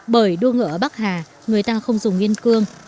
bởi đua ngựa ở bắc hà người ta không dùng yên cương